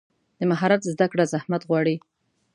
د مهارت زده کړه زحمت غواړي.